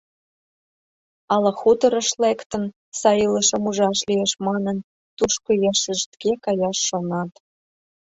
Ала хуторыш лектын, сай илышым ужаш лиеш манын, тушко ешыштге каяш шонат.